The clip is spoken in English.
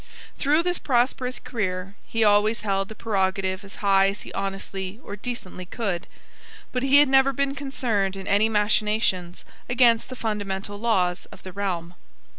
Through this prosperous career he had always held the prerogative as high as he honestly or decently could; but he had never been concerned in any machinations against the fundamental laws of the realm.